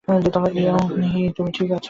Yoon Hee, তুমি ঠিক আছ?